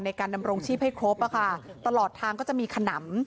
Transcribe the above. ในการดำรงชีพให้ครบอะค่ะตลอดทางก็จะมีขนำ